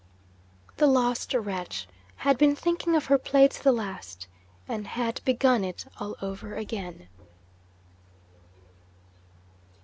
The lost wretch had been thinking of her Play to the last, and had begun it all over again!